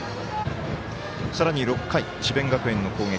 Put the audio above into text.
さらに６回、智弁学園の攻撃。